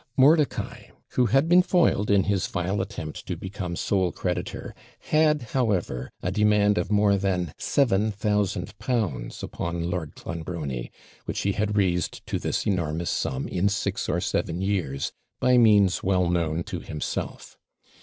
Mordicai, who had been foiled in his vile attempt to become sole creditor, had, however, a demand of more than seven thousand pounds upon Lord Clonbrony, which he had raised to this enormous sum in six or seven years, by means well known to himself.